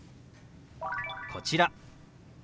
こちら。